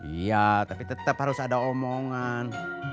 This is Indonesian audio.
iya tapi tetap harus ada omongan